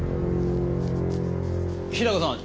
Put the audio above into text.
日高さん